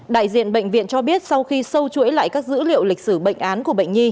đại diện bệnh viện cho biết sau khi sâu chuỗi lại các dữ liệu lịch sử bệnh án của bệnh nhi